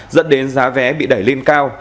dẫn đến giá vé bị đẩy lên cao